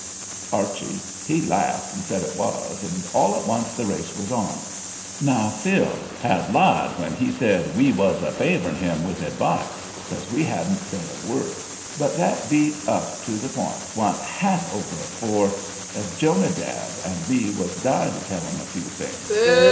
Archie, he laughed and said it was, and, all at once, the race was on. Now, Phil had lied when he said we was "favoring" him with advice, 'cause we hadn't said a word; but that beat up to the point wa'n't half over afore Jonadab and me was dying to tell him a few things.